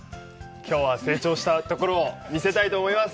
きょうは成長したところを見せたいと思います！